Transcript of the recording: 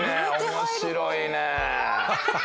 面白いねえ。